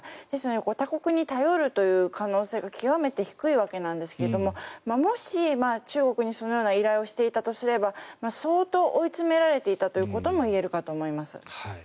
ですので、他国に頼る可能性が極めて低いわけなんですがもし、中国にそのような依頼をしていたとすれば相当追い詰められていたということも言えるかと思います。